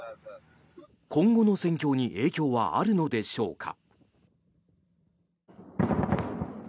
今後の戦況に影響はあるのでしょうか。